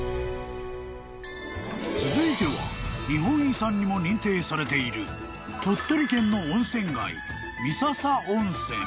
［続いては日本遺産にも認定されている鳥取県の温泉街］